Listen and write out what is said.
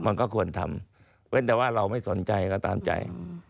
มันก็ควรทำเว้นแต่ว่าเราไม่สนใจก็ตามใจ